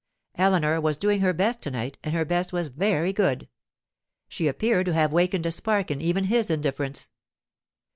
Eleanor was doing her best to night, and her best was very good; she appeared to have wakened a spark in even his indifference.